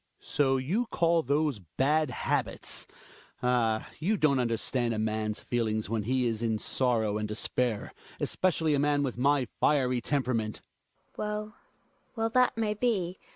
Hjalmar. So you call those bad habits ! Ah ! you don't understand a man's feelings, when he is in sorrow and despair — especially a man with my fiery tempera ment. GiNA. Well, well, that may be.